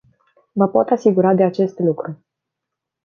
Vă pot asigura de acest lucru.